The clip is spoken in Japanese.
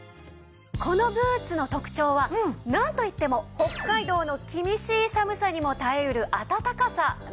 このブーツの特徴はなんといっても北海道の厳しい寒さにも耐えうるあたたかさなんです。